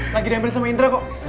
lagi nempel sama indra kok